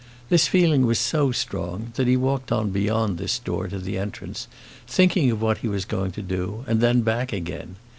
This feeling was so strong, that he walked on beyond this door to the entrance, thinking of what he was going to do, and then back again.